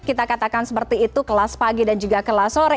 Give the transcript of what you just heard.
kita katakan seperti itu kelas pagi dan juga kelas sore